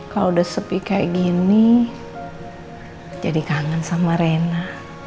kalau sudah sepi seperti ini jadi kangen sama rena